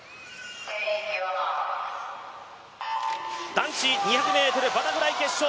男子２００ｍバタフライ決勝。